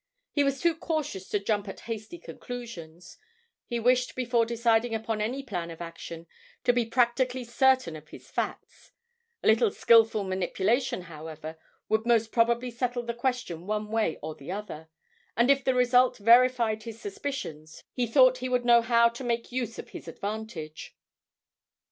He was too cautious to jump at hasty conclusions; he wished before deciding upon any plan of action to be practically certain of his facts; a little skilful manipulation, however, would most probably settle the question one way or the other, and if the result verified his suspicions he thought he would know how to make use of his advantage.